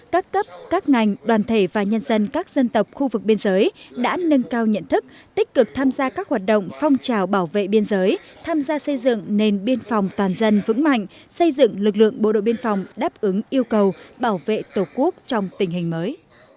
các cấp các ngành đoàn thể và nhân dân các dân tộc khu vực biên giới đã nâng cao nhận thức tích cực tham gia các hoạt động phong trào bảo vệ biên giới tham gia xây dựng nền biên phòng toàn dân vững mạnh xây dựng lực lượng bộ đội biên phòng đáp ứng yêu cầu bảo vệ tổ quốc trong tình hình mới